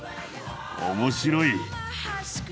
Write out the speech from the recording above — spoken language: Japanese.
面白い。